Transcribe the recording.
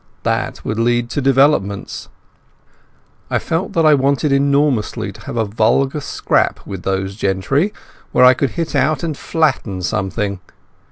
That would lead to developments. I felt that I wanted enormously to have a vulgar scrap with those gentry, where I could hit out and flatten something.